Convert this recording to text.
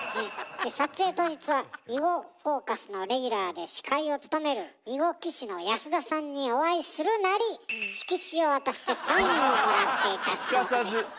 撮影当日は「囲碁フォーカス」のレギュラーで司会を務める囲碁棋士の安田さんにお会いするなり色紙を渡してサインをもらっていたそうです。